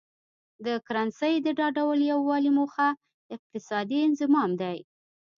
د کرنسۍ د دا ډول یو والي موخه اقتصادي انضمام دی.